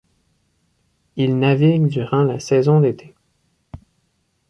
Il navigue durant la saison d'été.